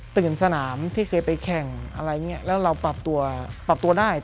ตื่นสนามที่เคยไปแข่งแล้วเราปรับตัวได้